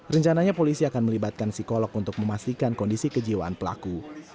rencananya polisi akan melibatkan psikolog untuk memastikan kondisi kejiwaan pelaku